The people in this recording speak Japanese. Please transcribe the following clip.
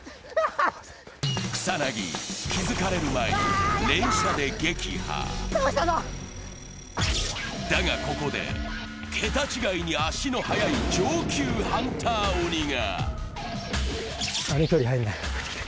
草薙、気づかれる前に連射で撃破だがここで桁違いに足の速い上級ハンター鬼が。